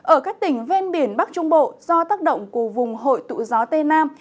ở các tỉnh ven biển bắc trung bộ do tác động của vùng hội tụ gió tây nam